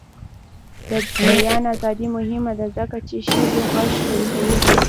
د بیان ازادي مهمه ده ځکه چې ښځو غږ قوي کوي.